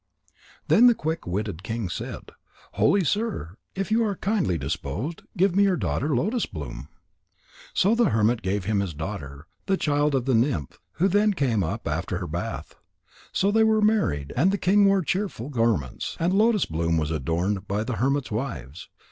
Then the quick witted king said: "Holy sir, if you are kindly disposed, give me your daughter Lotus bloom." So the hermit gave him his daughter, the child of the nymph, who then came up after her bath. So they were married, and the king wore cheerful garments, and Lotus bloom was adorned by the hermits' wives.